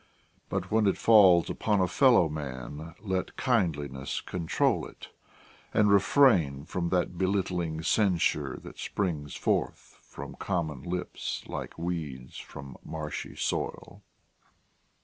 But when it falls upon a fellow man Let kindliness control it; and refrain From that belittling censure that springs forth From common lips like weeds from marshy soil.